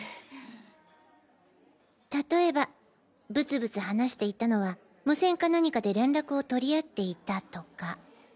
たとえばブツブツ話していたのは無線か何かで連絡をとり合っていたとか？